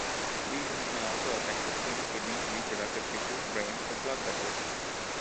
Lesions may also affect the skin, kidney, reproductive tissue, brain, or blood vessels.